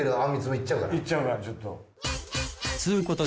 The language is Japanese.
行っちゃうからちょっと。